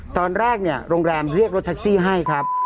ตอนแรกเนี่ยโรงแรมเรียกรถแท็กซี่ให้ครับ